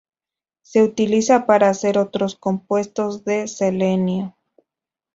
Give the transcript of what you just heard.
Se utiliza para hacer otros compuestos de selenio.